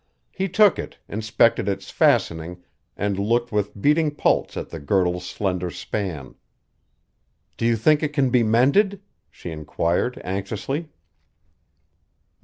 He took it, inspected its fastening and looked with beating pulse at the girdle's slender span. "Do you think it can be mended?" she inquired anxiously.